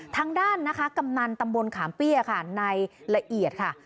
ทางด้านนะคะกำนันตำบลขามเปี้ยค่ะในละเอียดค่ะ